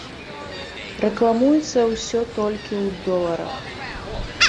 Рэкламуецца ўсё толькі ў доларах.